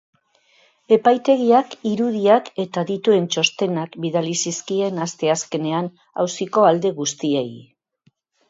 Epaitegiak irudiak eta adituen txostenak bidali zizkien asteazkenean auziko alde guztiei.